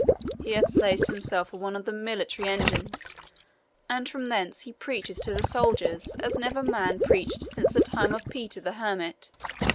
He has placed himself on one of the military engines, and from thence he preaches to the soldiers as never man preached since the time of Peter the Hermit.